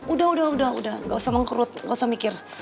udah udah udah gak usah mengkerut gak usah mikir